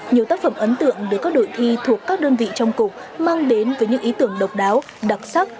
nhiều tác phẩm ấn tượng được các đội thi thuộc các đơn vị trong cục mang đến với những ý tưởng độc đáo đặc sắc